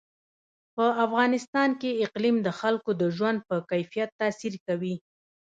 په افغانستان کې اقلیم د خلکو د ژوند په کیفیت تاثیر کوي.